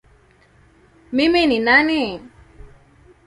Mimi ni nani?